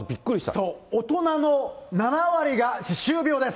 そう、大人の７割が歯周病です。